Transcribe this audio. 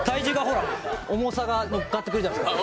重さがのっかってくるじゃないですか。